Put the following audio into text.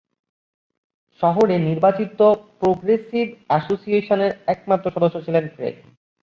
শহরে নির্বাচিত প্রগ্রেসিভ অ্যাসোসিয়েশনের একমাত্র সদস্য ছিলেন ক্রেগ।